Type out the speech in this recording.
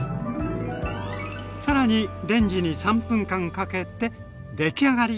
さらにレンジに３分間かけてできあがり。